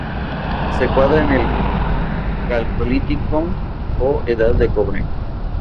Se encuadra en el Calcolítico o Edad de Cobre.